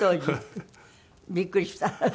びっくりした。